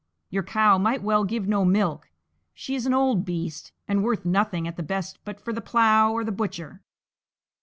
Your cow might well give no milk: she is an old beast, and worth nothing at the best but for the plough or the butcher!"